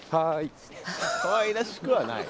はい。